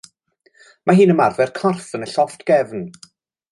Mae hi'n ymarfer corff yn y llofft gefn.